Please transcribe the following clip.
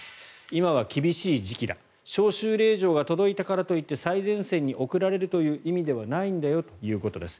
今は厳しい時期だ招集令状が届いたからといって最前線に送られるという意味ではないんだよということです。